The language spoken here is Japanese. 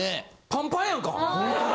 パンパンやんか。